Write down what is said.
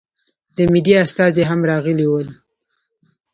د مېډیا استازي هم راغلي ول.